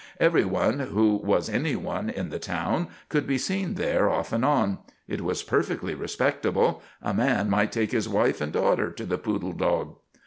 Everyone who was anyone in the town could be seen there off and on. It was perfectly respectable. A man might take his wife and daughter to the Poodle Dog.